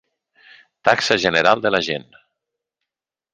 Taxa general de la gent.